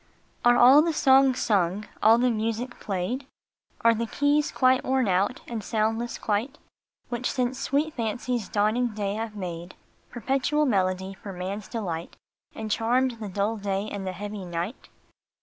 RE all the songs sung, all the music played? Are the keys quite worn out, and soundless quite, Which since sweet fancy s dawning day have made Perpetual melody for man s delight, And charmed the dull day and the heavy night?